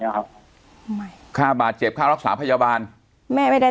แล้วครับไม่ค่าบาดเจ็บค่ารักษาพยาบาลแม่ไม่ได้